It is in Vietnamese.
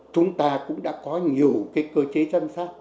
chúng ta cũng đã có nhiều cơ chế giám sát